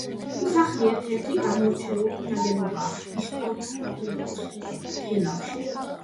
სახლი ერთ-ერთი გამორჩეული ნაგებობაა ისტორიულ თელავში.